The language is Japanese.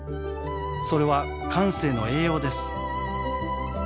それは「感性の栄養」です。